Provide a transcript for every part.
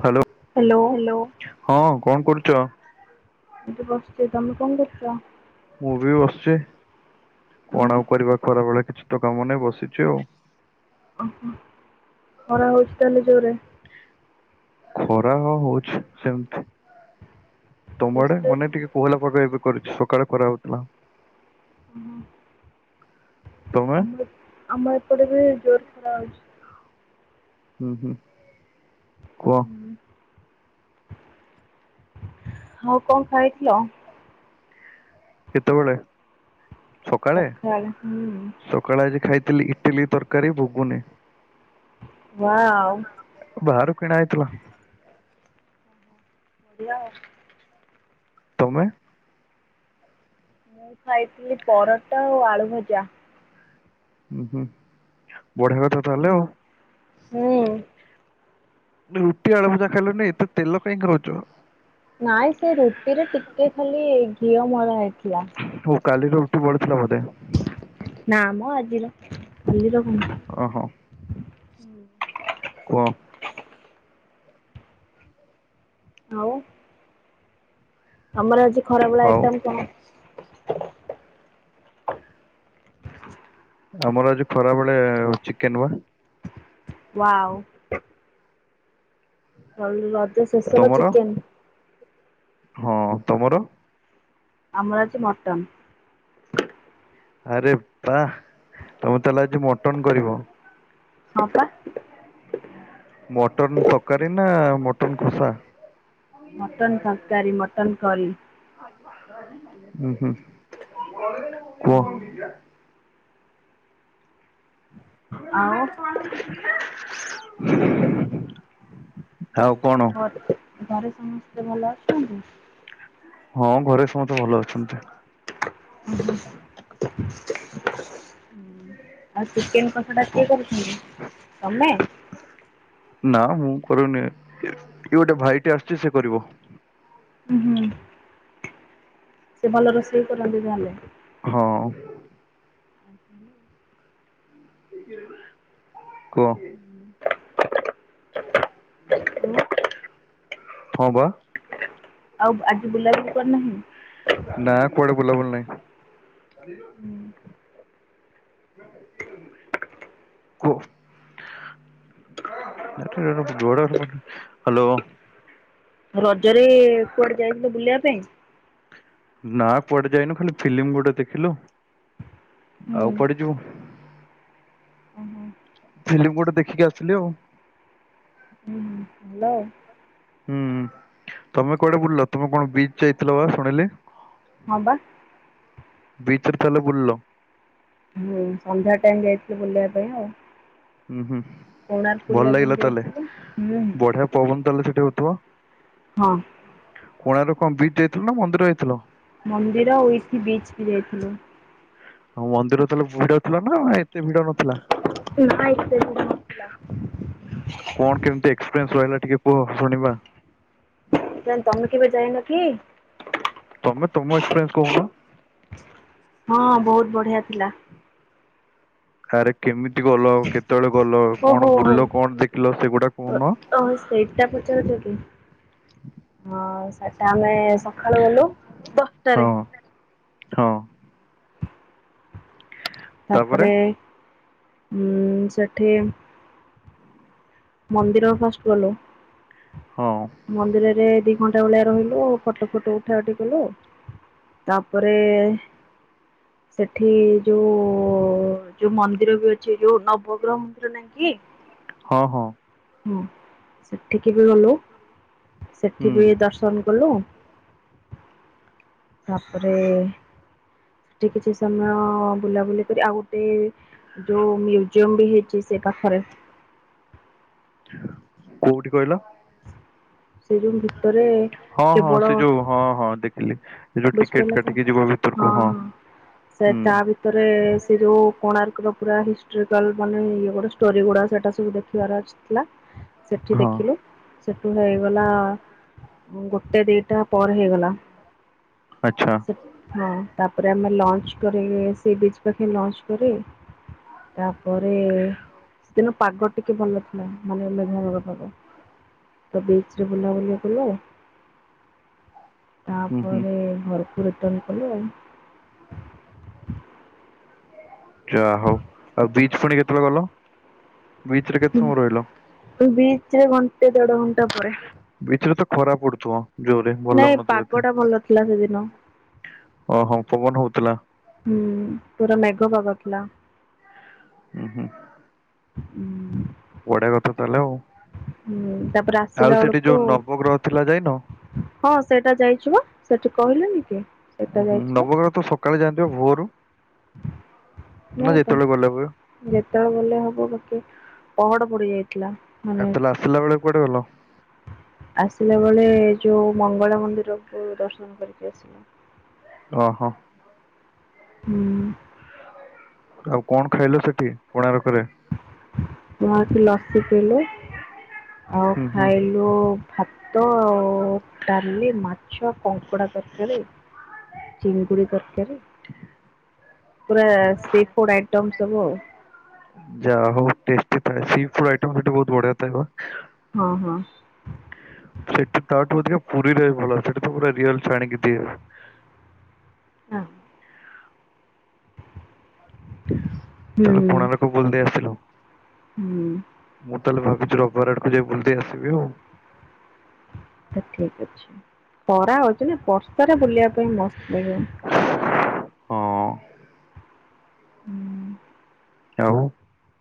Hello. Hello. Hello ହଁ କଣ କରୁଚ? ଏଠେ ବସିଚି ତମେ କଣ କରୁଛ? ମୁଁ ବି ବସିଛି କଣ ଆଉ କରିବା ଖରା ବେଳେ କିଛି ତ କାମ ନାହିଁ ବସିଛି ଆଉ। ଓହୋ ଖରା ହଉଛିି ତାହେଲେ ଜୋରେ? ଖରା ହ ହଉଛି ସେମିତି ତମ ବେଶୀ ଆଡେ ଜୋରେ ମାନେ ଟିକେ କୋହଲା ପାଗ ଏବେ କରିଛି ସକାଳେ ଖରା ହୋଉଥିଲା। ହୁଁ। ତମେ? ଆମର ଆମ ଏପଟେ ବି ଜୋର ଖରା ହୋଉଛି। ହୁଁ ହୁଁ କୁହ? ହଉ କଣ ଖାଇଥିଲ? କେତେବେଳେ ସକାଳେ ସ ସକାଳେ ଆଜି ଖାଇଥିଲି ଇଟିଲି ତରକାରୀ ବୁଗୁନି। ୱଓ। ବାହାରୁ କିଣା ହେଇଥିଲା। ହେଲା ଆଉ। ତମେ? ମୁଁ ଖାଇଥିଲି ପରଟା ଆଉ ଆଳୁ ଭଜା। ହୁଁ ହୁଁ ବଢିଆ କଥା ତାହେଲେ ଆଉ। ହୁଁ। ରୁଟି ଆଳୁ ଭଜା ଖାଇଲନି ଏତେ ତେଲ କାଇଁ ଖାଉଛ? ନାଇଁ ସେ ରୁଟିରେ ଟିକେ ଖାଲି ଘିଅ ମଳା ହେଇଥିଲା। ଓ କାଲିର ରୁଟି ବଳିଥିଲା ବୋଧେ? ନାମ ଆଜିର ବୁଝିଲ କଣ? ଓହୋ ହୁଁ। କୁହ।? ଆଉ ଆମର ଆଜି ଖରାବେଳ ହଉ ଏକଇଟମ୍ କଣ? ଆମର ଆଜି ଖରା ବଳେ ଚିକେନ ବା। ୱାଓ। ଆଉ ରଜ ଶେଷରେ ତମର? ଚିକେନ। ହଁ ତମର। ଆମର ଆଜି ମଟନ। ଆରେ ବା ହା ତମର ତାହେଲେ ଆଜି ମଟନ କରିବ। ହଁପା। ମଟନ୍ ତଅକାରୀ ନା ମଟନ୍ କଷା। ମଟନ୍ ତରକାରୀ ମଟନ୍ କରି। ହଁ ହୁଁ କୁହ। ଆଉ ହଉ ଘରେ ଘରେ ସମସ୍ତେ ଭଲ ଅଛନ୍ତି। ହଁ ଘରେ ସମସ୍ତେ ଭଲ ଅଛନ୍ତି। [inaudible] ହୁଁ ଆଉ ଚିକେନ କଷ ଟା କୁହ କିଏ କରୁଛନ୍ତି ତମେ। ନା ମୁଁ କରୁନି କି ଗୋଟେ ଭାଇଟି ଆସୁଛି ସେ କରିବ। ହୁଁ ହୁଁ। ସେ ଭଲ ରୋଷେଇ କରନ୍ତି ତାହେଲେ। ହଁ। [inaudible] କୁହ। ହଁ ବା। ଆଉ ଆଜି ବୁଲାବୁଲି କରନାହିଁ। ନା କୁଆଡେ ବୁଲାବୁଲି ନାହିଁ। କୁହ। ହ୍ୟାଲୋ। ରଜରେ କୁଆଡେ ଯାଇଥିଲେ ବୁଲିବା ପାଇଁ? ନା ପୁଆଡେ ଯାଇନୁ ଖାଲି ଫିଲ୍ମ ଗୋଟେ ଦେଖିଲୁ ହୁଁ ଆଉ ପୁଆଡି ଯିବୁ। ଓହୋ ଫିଲ୍ମ ଗୋଟେ ଦେଖିକି ଆସିଲି ଆଉ। ହୁଁ ହ ହ୍ୟାଲୋ। ହୁଁ ତମେ କୁଆଡେ ବୁଲିଲ ତମେ କଣ ବିଚ ଯାଇଥିଲ ବା ଶୁଣିଲି। ହଁ ବା। ବିଚରେ ତାହେଲେ ବୁଲିଲ। ହୁଁ ସନ୍ଧ୍ୟା ଟାଇମ ଯାଇଥିଲି ବୁଲିବା ପାଇଁ ଆଉ। ହୁଁ ହୁଁ କୋଣାର୍କ ବୁଲିବା ଭଲ ପାଇଁ ଲାଗିଲା ତାହେଲେ ଯାଇଥିଲୁ ହୁଁ ବଢିଆ ପବନ ତାହେଲେ ସେଠି ହଉଥିବ। ହଁ। କୋଣାର କଣ ବିଚ ଯାଇଥିଲ ନା ମନ୍ଦିର ଯାଇଥିଲ? ମନ୍ଦିର ଉଇଠି ବିଚ୍ ବି ଯାଇଥିଲୁ। ହଁ ମନ୍ଦିର ତାହେଲେ ଭିଡ ଥିଲା ନା ଏତେ ଭିଡ ନଥିଲା। ନାଁ ଏତେ ଭିଡ଼ ନଥିଲା। କଣ କେମିତି ଏକ୍ସପିରିଏନ୍ସ ରହିଲା ଟିକେ କୁହ ଶୁଣିବା। ନାଇ ତମେ କେବେ ଯାଇନ କି। ତମେ ତମ ଏକ୍ପିରେନ୍ସ କହୁନ। ହଁ ବହୁତ ବଢିଆ ଥିଲା। ଆରେ କେମିତି ଗଲ କେତେବେଳେ ଗଲ କଣ ଓହୋ ହୋ ବୁଲିଲ କଣ ଦେଖିଲ ସେଗୁଡା କହୁନ। ଓ ହୋ ସେ ଏଟା ପଚାରୁଛ କି। ହଁ ସେଟା ଆମେ ସକାଳୁ ଗଲୁ ହଁ ଦଶଟାରେ ହଁ ତାପରେ ଉ ସେଠି ମନ୍ଦରକୁ ଫାଷ୍ଟ ଗଲୁ ହଁ ମନ୍ଦିରରେ ଦି ଘଣ୍ଟା ଭଳିଆ ରହିଲୁ ଫଟୋ ଫଟ ଉଠା ଉଠି କଲୁ ତାପରେ ସେଠି ଯୋଉ ଯୋଉ ମନ୍ଦିର ବି ଅଛି ଯୋଉ ନବଗ୍ରହ ମନ୍ଦିର ନା କି? ହଁ ହଁ। ହଁ ସେଠିକି ବି ଗଲୁ ସେଠି ହୁଁ ବି ଦର୍ଶନ କଲୁ। ତାପରେ ସେଠି କିଛି ସମୟ ବୁଲାବୁଲି କରି ଆଉ ଗୋଟେ ଯୋଉ ମି ଉଜିଅମ ବି ହେଇଚି ସେ ପାଖରେ। କୋଉଠି କହିଲ? [unintelligible] ହଁ ହଁ କେବଳ ସେ ଯୋଉ ହଁ ହଁ ଦେଖିଲି। ଏ ଯୋଉ ଟିକେଟ ବୁଝିପାରିଲ ତ କାଟିକି ଯିବ ଭିତରକୁ ହଁ ହୁଁ। ପରେ ସେ ଯୋଉ କୋଣାର୍କର ପୁରା ହିଷ୍ଟରିକାଲ ମାନେ ଇଏ ଗୋଟେ ଷ୍ଟୋରି ଗୁଡା ସେଟା ସବୁ ଦେଖିବାର ଅଛି। ହେଲା। ସେଠି ହଁ ଦେଖିଲୁ ସେଠୁ ହେଇଗଲା ଗୋଟେ ଦିଟା ପରେ ହେଇଗଲା। ଆଚ୍ଛା। ହଁ ତାପରେ ଆମେ ଲଞ୍ଚ କରି ସି ବିଚ ପାଖେ ଲଞ୍ଚ କରି ତାପରେ କିନ୍ତୁ ପାଗ ଟିକେ ଭଲ ଥିଲା ମାନେ ମେଘୁଆ ମେଘୁଆ ପାଗ। ତ ବିଚରେ ବୁଲାବୁଲି କଲୁ ତା ହୁଁ ହୁଁ ପରେ ଘରକୁ ରିଟର୍ଣ୍ଣ କଲୁ ଆଉ। ଯାହା ହଉ ଆଉ ବିଚ୍ ପୁଣି କେତେବେଳେ ଗଲ? ବିଚ୍ ରେ କେତେ ସମୟ ରହିଲ ହଁ ବିଚ ରେ ଘଣ୍ଟେ ଦେଢ ଘଣ୍ଟା ପରେ। ବିଚରେ ତ ଖରାପ ପଡୁଥିବ ଜୋରେ ନାଇଁ ଭଲଲାଗୁନଥବ ପାଗ ଏତେ। ଟା ଭଲ ଥିଲା ସେଦିନ ଓହୋ ପବନ ହଉଥିଲା। ହୁଁ ପୁରା ମେଘ ପାଗଥିଲା। ହୁଁ ହୁଁ। ହୁଁ। ବଢିଆ କଥା ତାହେଲେ ଆଉ। ହୁଁ ତାପରେ ଆଉ ଆସିଲା ସେଠି ବେଳକୁ ଯୋଉ ନବଗ୍ରହ ଥିଲା ଯାଇନ ହଁ ସେଇଟା ଯାଇଚୁପା ସେଠି କହିଲେନି କି ଉଁ ସେଇଟା ହୁଁ ଯାଇଥିଲୁ। ନବଗ୍ରହ ତ ସକାଳେ ଜାଆନ୍ତି ବା ଭୋରୁ? ନା ନାଁ ତ। ଯେତେବେଳେ ଗଲେ ହୁଏ ଯେତେବେଳେ ଗଲେ ହବ ପହଡ ପଡି ଯାଇଥିଲା। ଆ ମାନେ ତାଲେ ଆସିଲା ବେଳେ କୁଆଡେ ଗଲ? ଆସିଲା ବେଳେ ଯୋଉ ମଙ୍ଗଳା ମନ୍ଦିରକୁ ଦର୍ଶନ କରିକି ଆସିଲୁ। ଓହୋ। ହୁଁ। ଆଉ କଣ ଖାଇଲେ ସେଠି କୋଣାର୍କରେ? ମୁଁ ଆସି ଲସି ପିଲୁ ଆଉ ହୁଁ ହୁଁ ଖାଇଲୁ ଜଉ ଭାତ ଆଉ ଡାଲି ମାଛ କଙ୍କଡା ତରକାରୀ ଚିଙ୍ଗୁଡି ତରକାରୀ ଠିକେ ପୁର ସି ଫୁଡ ଆଇଟମ୍ ସବୁ ଆଉ। ଯାହା ହଉ ଟେଷ୍ଟି ଥାଏ ସି ଫୂଡ଼ ଆଇଟମ୍ ସେଠି ବହୁତ ବଢିଆ ଥାଏ ପା। ହଁ ହଁ ସେଠି ତାଠୁ ଅଧିକା ପୁରୀରେ ଭଲ ସେଠା ତ ପୁରା ରିଅଲ ଛାଣିକି ଦିଏ। ହଁ। ହଁ ତାଲେ ହୁଁ କଣାର୍କ ବୁଲି ଦେଇ ଆସିଲ? ହୁଁ। ମୁଁ ତାହେଲେ ଭାବୁଛି ରବିବାର ଆଡ଼କୁ ଯାଇ ବୁଲି ଦେଇକି ଆସିବି ଆଉ। ଆଛା ଠିକ୍ ଅଛି ଖରା ହଉଛିନା ବର୍ଷାରେ ବୁଲିବା ପାଇଁ ମସ୍ତ ଲାଗିବ। ହଁ। ହୁଁ। ଆଉ?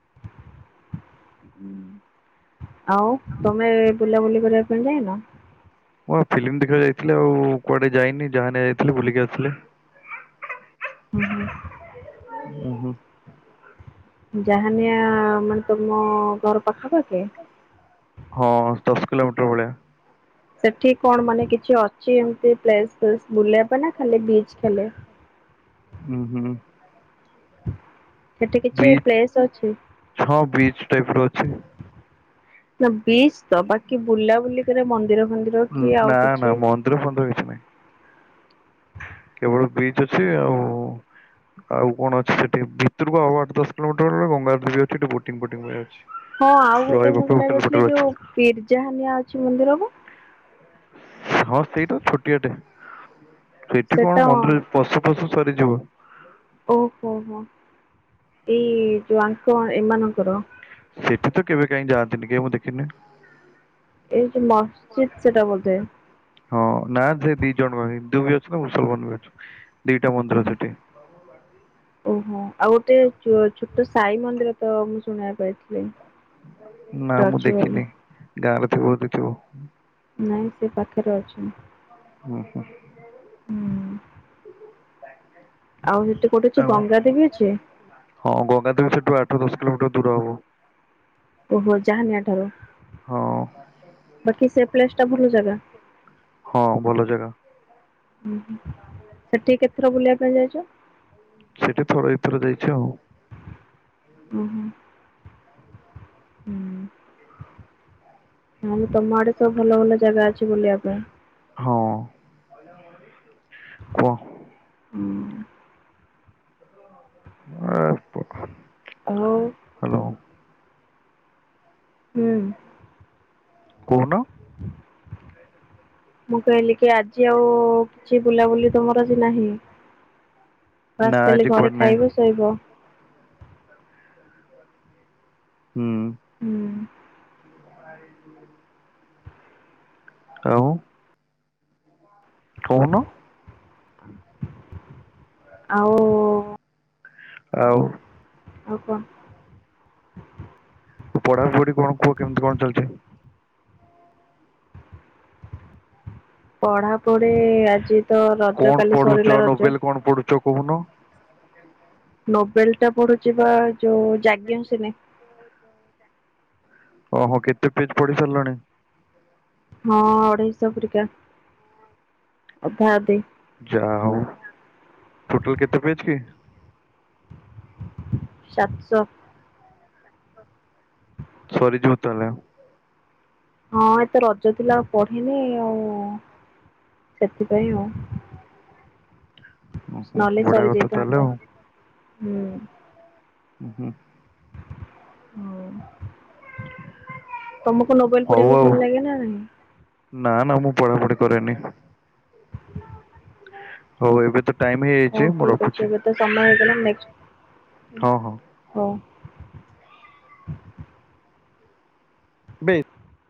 ହୁଁ। ଆଉ ତମେ ବୁଲାବୁଲି କରିବା ପାଇଁ ଯାଇନ? ମୁଁବା ଫିଲ୍ମ ଦେଖିବାକୁ ଯାଇଥିଲି ଆଉ କୁଆଡ଼େ ଯାଇନି ଯାହା ଯାଇଥିଲି ବୁଲିକି ଆସିଲେ। ଓହୋ। ଉଁ ହୁଁ। ଜାହାନିଆ ମାନେ ତମ ଘର ପାଖାପାଖି? ହଁ ଦଶ କିଲୋମିଟର୍ ଭଳିଆ। ସେଠି କଣ ମାନେ କିଛି ଅଛି ଏମତି ପ୍ଲେସ୍ ଫ୍ଲେସ୍ ବୁଲିବା ପାଇଁନା ଖାଲି ବିଚ୍ ଖାଲି? ହୁଁ ହୁଁ। ସେଠି କିଛି ବିଚ୍ ପ୍ଲେସ୍ ଅଛି? ହଁ ବିଚ୍ ଟାଇପ୍ ର ଅଛି ନା ବିଚ୍ ତ ବାକି ବୁଲାବୁଲି କରିବା ମନ୍ଦିର ଫନ୍ଦିରକି ଆଉ ନା ନା କିଛି? ମନ୍ଦିର ଫନ୍ଦିର କିଛି ନାହିଁ। କେବଳ ବିଚ୍ ଅଛି ଆଉ ଆଉ କଣ ଅଛି ସେଠି ଭିତରକୁ ଆଉ ଆଠ ଦଶ କିଲୋମିଟର୍ ଗଲେ ଗଙ୍ଗାଘାଟି ଦେବୀ ଅଛି ବୋଟିଙ୍ଗ୍ ଫଟିଙ୍ଗ୍ ବଢ଼ିଆ ଅଛି। ହଁ ଆଉ ଗୋଟେ ରହିବା ମୁଁ ପାଇଁ ଶୁଣିବାକୁ ହୋଟେଲ ପାଇଥିଲି ଫୋଟେଲ ଅଛି ଯୋଉ ବିୀର୍ଜାହାନିଆ ଅଛି ମନ୍ଦିରବା? ହଁ ସେଇଟା ଛୋଟିଆଟେ ସେଠି ସେଟା କଣ ମନ୍ଦିର ପଶି [unintelligible] ସରିଯିବ। ଓହୋ ହୋ ହଁ ଏଇ ଯୋଉ ଆଙ୍କ ଏମାନଙ୍କର ସେଠିତ କେବେ କାଇଁ ଯାଆନ୍ତିନି କାଇଁ ମୁଁ ଦେଖିନି। ଏଇଯେ ମସ୍ଜିଦ ସେଟା ବୋଧେ? ହଁ ନାସେ ଦି ଜଣଙ୍କ ହିନ୍ଦୁବି ଅଛନ୍ତି ମୁସଲମାନ୍ ବି ଅଛନ୍ତି ଦିଟା ମନ୍ଦିର ଓହୋ। ସେଠି। ଓହୋ ଆଉ ଗୋଟେ ଚୋ ଛୋଟ ସାଇ ମନ୍ଦିରତ ମୁଁ ଶୁଣିବାକୁ ପାଇଥିଲି? ଗୋଟେ ନାମୁଁ ଅଛି ବୋଲି ଦେଖିନି ଗାଁରେ ଥିବ ଯଦି ଥିବ। ନାଇଁ ସେପାଖରେ ଅଛି। ହୁ ହୁ। ହୁଁ। ଆଉ ହେଟି କୋଉଠି ଅଛି ଆଉ ଗଙ୍ଗା ଦେବୀ ଅଛି? ହଁ ଗଙ୍ଗା ଦେବୀ ସେଠୁ ଆଠ ଦଶ କିଲୋମିଟର୍ ଦୂର ହବ। ଓହୋ ଯାହାନିଆଠାରୁ ହଁ ବାକି ସେପ୍ଲେସଟା ଭଲ ଜାଗା? ହଁ ଭଲ ଜାଗା। ହୁଁ ହୁଁ ସେଠି କେତଥର ବୁଲିବା ପାଇଁ ଯାଇଚ? ସେଠି ଥରେ ଦିଥର ଯାଇଚି ଆଉ। ଓହୋ। ହୁଁ। ଆଉ ତମ ଆଡ଼େତ ଭଲ ଭଲ ଜାଗା ଅଛି ବୁଲିବା ପାଇଁ। ହଁ କୁହ? ହୁଁ। [unintelligible] ଆଉ? ହାଲୋ। ହୁଁ। କହୁନ? ମୁଁ କହିଲିକି ଆଜି ଆଉ କିଛି କି ବୁଲାବୁଲି ତମର ଆଜି ନାହିଁ ବାସ୍ ଖାଲି ଘରେ ଖାଇବ ଶୋଇବ? ହୁଁ। ହୁଁ। ହାଲୋ। କୋହୁନୁ। ଆଉ ଆଉ? ଆଉ କଣ? ପଢାପଢି କଣ କୁହ କେମତି କଣ ଚାଲିଚି? ପଢାପଢି ଆଜି ତ ରଜ କାଲି ସରିଲା ରଜ। ତ କୋହୁନ। ସେ ନୋବେଲଟା ପଢୁଚି ବା ଯୋଉ ଯାଜ୍ଞାସେନି। ଓହୋ କେତେ ପେଜ ପଢି ସାରିଲଣି? ହ ହଁ ଅଢେଇଶ ପରିକା ଅଧାଅଧି ଯାହୋଉ ଟୋଟାଲ କେତେ ପେଜ କି? ସାତଶ। ହଁ ସରିଯିବ ତାହାଲେ। ହଁ ଏତ ରଜ ଥିଲା ଆଉ ପଢିନି ଆଉ ସେଥିପାଇଁ ଆଉ। ଉଁ ହୁଁ ନହଲେ ବଢିଆ କଥା ସରିଯାଇଥାନ୍ତା ହୁଁ। ଉଁହୁଁ। ହୋଉ ତମକୁ ନୋବେଲ ହଉ ପଢିବାକୁ ଆଉ ଭଲ ଲାଗେ ନା ନାହିଁ? ନା ନା ମୁଁ ପଢାପଢି କରେନି। ହୋଉ ଏବେ ତ ଟାଇମ ହଉ ହେଇଯାଇଚି ମୁଁ ଠିକ ଅଛି ରଖୁଛି ଏବେ ତ ସମୟ ହେଇଗଲା ହଁ ହଁ। ହୋଉ। ବେ